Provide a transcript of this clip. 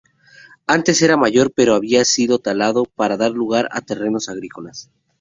Antes era mayor pero había sido talado para dar lugar a terrenos agrícolas.